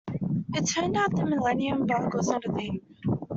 It turned out the millennium bug was not a thing.